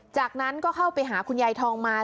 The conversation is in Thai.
จากนั้นก็เข้าไปหาคุณยายทองมา